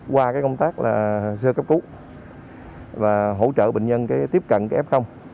qua công tác là sơ cấp cứu và hỗ trợ bệnh nhân tiếp cận cái f